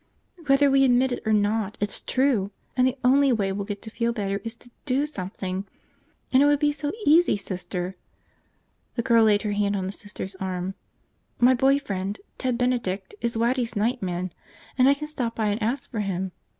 "Whether we admit it or not, it's true, and the only way we'll get to feel better is to do something. And it would be so easy, Sister!" The girl laid her hand on the Sister's arm. "My boy friend, Ted Benedict, is Waddy's night man, and I can stop by and ask for him.